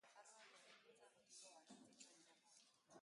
Hauek erregeordetza ez ezik Nafarroako Erresuma bera eten zuen.